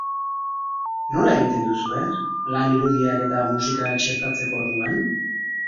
Nola egiten duzue lan irudiak eta musika txertatzeko orduan?